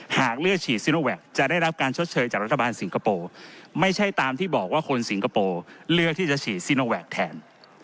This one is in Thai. หากเลือกฉีดซิโนแวคจะได้รับการชดเชยจากรัฐบาลสิงคโปร์ไม่ใช่ตามที่บอกว่าคนสิงคโปร์เลือกที่จะฉีดซิโนแวคแทน